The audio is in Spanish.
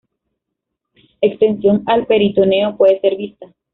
Extensión al peritoneo puede ser vista.